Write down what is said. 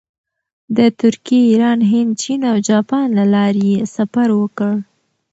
د ترکیې، ایران، هند، چین او جاپان له لارې یې سفر وکړ.